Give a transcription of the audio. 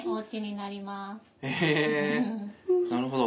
なるほど。